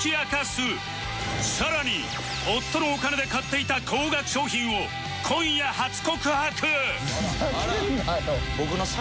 さらに夫のお金で買っていた高額商品を今夜初告白